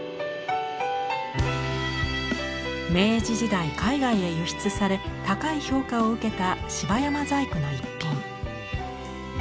明治時代海外へ輸出され高い評価を受けた芝山細工の一品。